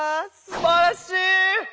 すばらしい！